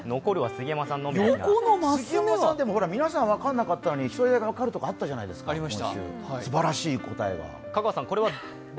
杉山さん、でも皆さん分からなかったのに１人だけ分かることあったじゃないですか、すばらしい答えが。